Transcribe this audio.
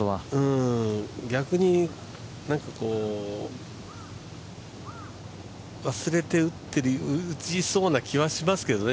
逆に忘れて打ちそうな気はしますけどね。